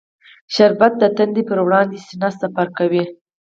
شربت د تندې پر وړاندې سینه سپر کوي